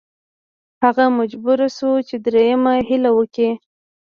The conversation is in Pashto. هغه مجبور شو چې دریمه هیله وکړي.